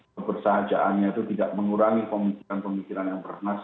kebersahajaannya itu tidak mengurangi pemikiran pemikiran yang pernah